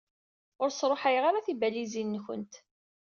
Ur sṛuḥayeɣ ara tibalizin-nkent.